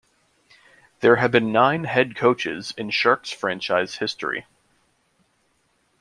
There have been nine head coaches in Sharks franchise history.